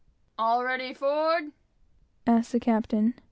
"All ready forward?" asked the captain.